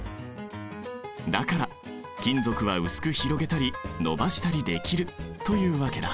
だから金属は薄く広げたり延ばしたりできるというわけだ。